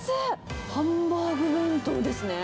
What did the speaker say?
ハンバーグ弁当ですね。